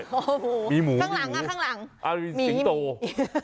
อ๋อหมูมีหมูข้างหลังอ่ะข้างหลังเอ้ามีสิงโตมีหมู